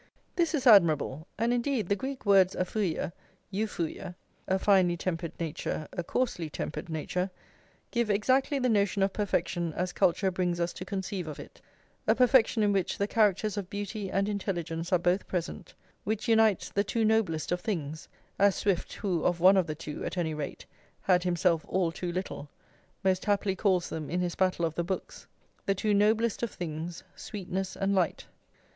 This is admirable; and, indeed, the Greek words aphuia, euphuia,+ a finely tempered nature, a coarsely tempered nature, give exactly the notion of perfection as culture brings us to conceive of it: a perfection in which the characters of beauty and intelligence are both present, which unites "the two noblest of things," as Swift, who of one of the two, at any rate, had himself all too little, most happily calls them in his Battle of the Books, "the two noblest of things, sweetness and light."